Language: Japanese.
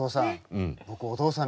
お父さん。